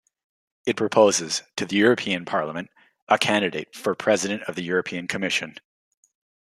It proposes, to the European Parliament, a candidate for President of the European Commission.